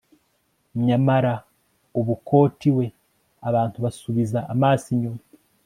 Nyamara ubu quoth we abantu basubiza amaso inyuma